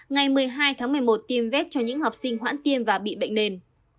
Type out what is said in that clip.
ngày một mươi hai tháng một mươi một tiêm vét cho những học sinh hoãn tiêm và bị bệnh nền